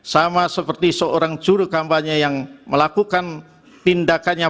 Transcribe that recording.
sama seperti seorang juru kampanye yang melakukan tindakannya